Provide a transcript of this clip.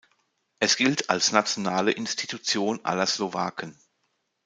Es gilt als nationale Institution aller Slowaken.